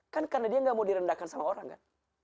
kan karena dia gak mau direndahkan sama orang kan